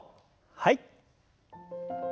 はい。